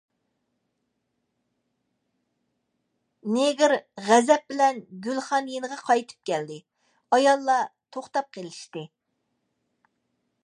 نېگىر غەزەپ بىلەن گۈلخان يېنىغا يېتىپ كەلدى، ئاياللار توختاپ قېلىشتى.